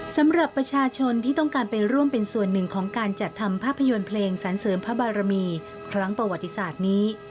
สำหรับประชาชนที่ต้องการไปร่วมเป็นส่วนหนึ่งของการจัดทำภาพยนตร์เพลงสรรเสริมพระบารมีครั้งประวัติศาสตร์นี้